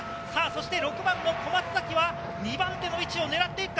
６番・小松崎は２番手の位置を狙っていくか。